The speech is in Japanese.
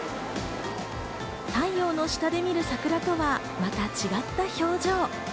太陽の下で見る桜とは、また違った表情。